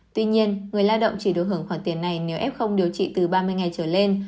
tuy nhiên người lao động chỉ được hưởng khoản tiền này nếu f không điều trị từ ba mươi ngày trở lên